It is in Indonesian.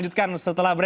ya kira kira begitu bu